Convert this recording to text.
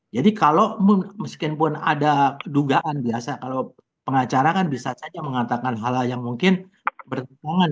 jadi kalau meskipun ada kedugaan biasa kalau pengacara kan bisa saja mengatakan hal hal yang mungkin bertentangan